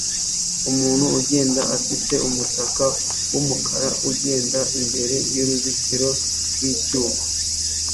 Umuntu ugenda afite umutaka wumukara ugenda imbere yuruzitiro rwicyuma